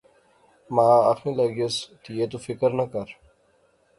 ما آخنے لاغیوس، تہئے تو فکر نہ کر